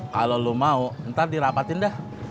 kalau lo mau ntar dirapatin dah